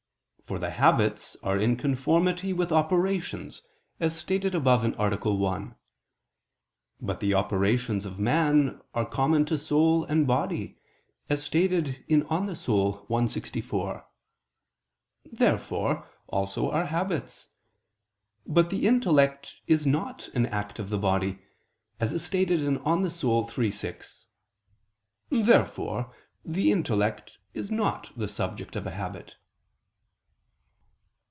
For habits are in conformity with operations, as stated above (A. 1). But the operations of man are common to soul and body, as stated in De Anima i, text. 64. Therefore also are habits. But the intellect is not an act of the body (De Anima iii, text. 6). Therefore the intellect is not the subject of a habit.